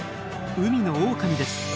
海のオオカミです。